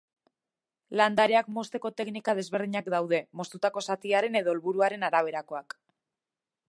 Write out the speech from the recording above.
Landareak mozteko teknika desberdinak daude, moztutako zatiaren edo helburuaren araberakoak.